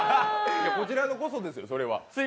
こちらこそですよ、これは。